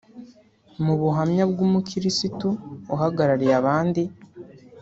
Mu buhamya bw’umukirisitu uhagarariye abandi